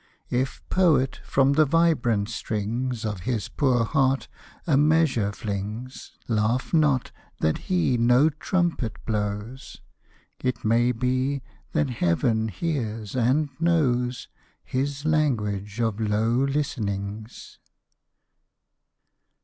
If poet from the vibrant strings Of his poor heart a measure flings, Laugh not, that he no trumpet blows: It may be that Heaven hears and knows His language of low listenings.